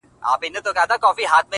د ودانیو معمارانو ته ځي-